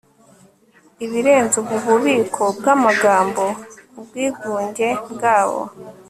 ibirenze ubu bubiko bwamagambo ubwigunge bwabo